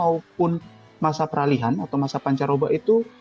awal musim hujan maupun masa peralihan atau masa pancaroba itu